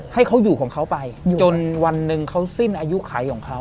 ให้เขาอยู่ของเขาไปจนวันหนึ่งเขาสิ้นอายุไขของเขา